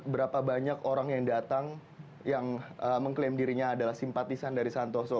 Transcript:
berapa banyak orang yang datang yang mengklaim dirinya adalah simpatisan dari santoso